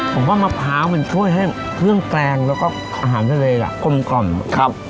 ผมว่ามะพร้าวมันช่วยให้เครื่องแกลงแล้วก็อาหารทะเลอ่ะกลมกล่อมครับ